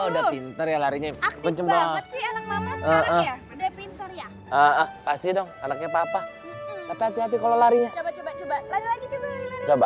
udah pinter ya larinya pencobaan ya pasti dong anaknya papa tapi hati hati kalau larinya coba